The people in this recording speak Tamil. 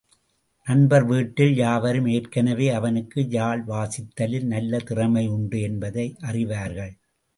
நண்பர் வீட்டில் யாவரும் ஏற்கெனவே அவனுக்கு யாழ் வாசித்தலில் நல்ல திறமை உண்டு என்பதை அறிவார்கள்.